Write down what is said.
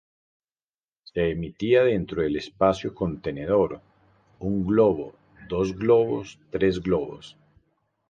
Se emitía dentro del espacio contenedor "Un globo, dos globos, tres globos".